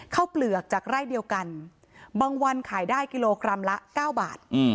เปลือกจากไร่เดียวกันบางวันขายได้กิโลกรัมละ๙บาท